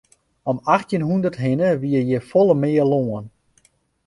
Om achttjin hûndert hinne wie hjir folle mear lân.